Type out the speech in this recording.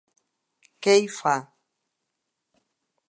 Què hi fa.